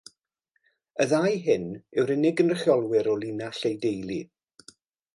Y ddau hyn yw'r unig gynrychiolwyr o linach ei deulu